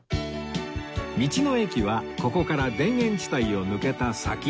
道の駅はここから田園地帯を抜けた先